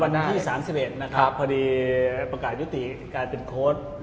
วันที่๓๑นะครับพอดีประกาศยุติการเป็นโค้ด